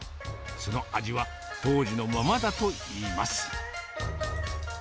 その味は、当時のままだといいます。